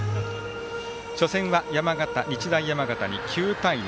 初戦は、日大山形に９対２。